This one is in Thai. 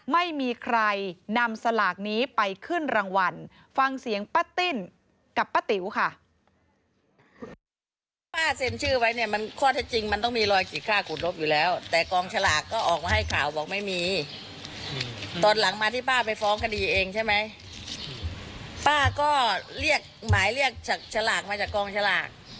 ไม่มีใครนำสลากนี้ไปขึ้นรางวัลฟังเสียงป้าติ้นกับป้าติ๋วค่ะ